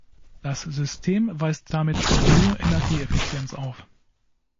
Das System weist damit eine hohe Energieeffizienz auf.